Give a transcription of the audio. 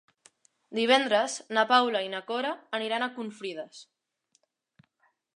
Divendres na Paula i na Cora aniran a Confrides.